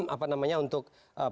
apa namanya untuk penerapan hukuman ini